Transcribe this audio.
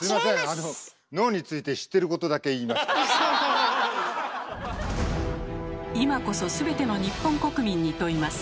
あの今こそ全ての日本国民に問います。